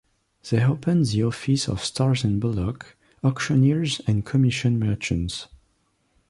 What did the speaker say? They opened the Office of Star and Bullock, Auctioneers and Commission Merchants.